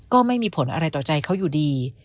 ก็ไม่มีผลอะไรต่อใจเขาอยู่ดี